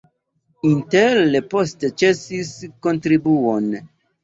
Intel poste ĉesis kontribuon.